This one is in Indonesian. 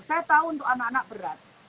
saya tahu untuk anak anak berat